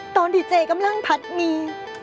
ตอนดีเจกำลังพัดมี